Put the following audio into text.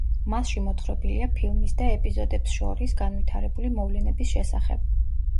მასში მოთხრობილია ფილმის და ეპიზოდებს შორის განვითარებული მოვლენების შესახებ.